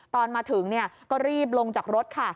ตอนมาถึงก็รีบลงจากรถค่ะ